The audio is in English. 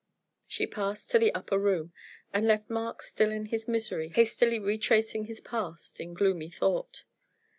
She passed to the upper room, and left Mark still in his misery hastily retracing his past, in gloomy thought.